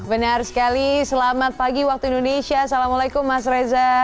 benar sekali selamat pagi waktu indonesia assalamualaikum mas reza